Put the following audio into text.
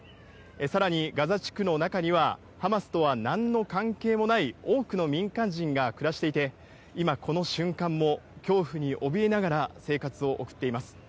さらにガザ地区の中には、ハマスとはなんの関係もない多くの民間人が暮らしていて、今、この瞬間も恐怖におびえながら生活を送っています。